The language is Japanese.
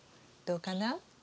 どうかな？